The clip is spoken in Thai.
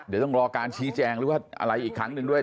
เดี๋ยวต้องรอการชี้แจงหรือว่าอะไรอีกครั้งหนึ่งด้วย